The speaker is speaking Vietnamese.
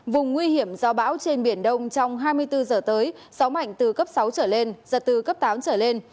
vùng nguy hiểm do bão trên biển đông trong hai mươi bốn giờ tới gió mạnh từ cấp sáu trở lên giật từ cấp tám trở lên